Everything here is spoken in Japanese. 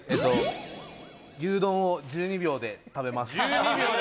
牛丼を１２秒で食べます。